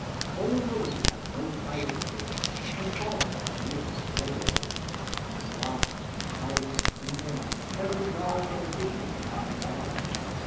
Only those who have no private interests can follow an ideal straight away. Sloth and cowardice creep in with every dollar or guinea we have to guard.